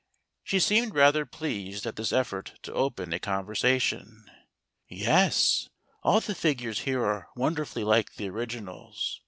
She seemed rather pleased at this effort to open a conversation. " Yes, all the figures here are wonder¬ fully like the originals.